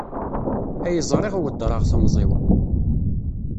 Ay ẓriɣ weddreɣ temẓi-w.